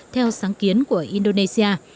theo sáng kiến của indonesia